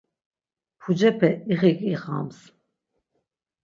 Pucepe ixik iğams.